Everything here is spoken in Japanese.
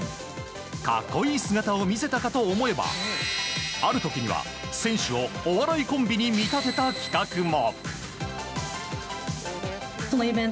格好いい姿を見せたかと思えばある時には選手をお笑いコンビに見立てた企画も。